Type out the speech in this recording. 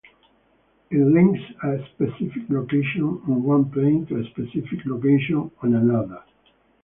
It links a specific location on one plane to a specific location on another.